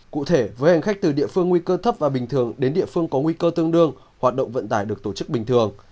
cụ thể với hành khách từ địa phương nguy cơ thấp và bình thường đến địa phương có nguy cơ tương đương hoạt động vận tải được tổ chức bình thường